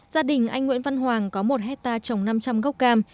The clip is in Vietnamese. gia đình anh nguyễn văn hoàng có một hectare trồng năm trăm linh gốc cam